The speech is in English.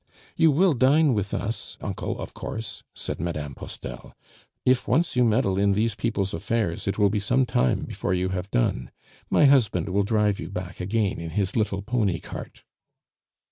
"You will dine with us, uncle, of course," said Mme. Postel; "if once you meddle in these people's affairs, it will be some time before you have done. My husband will drive you back again in his little pony cart."